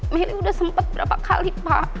meli udah sempet berapa kali kak